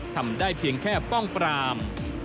ทำได้เพียงแค่ป้องปราม